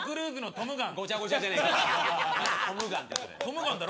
『トムガン』だろ？